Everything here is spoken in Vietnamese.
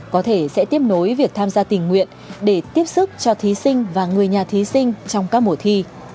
có thể sẽ tiếp nối việc tham gia tình nguyện để tiếp sức cho thí sinh và người nhà thí sinh trong các mùa thi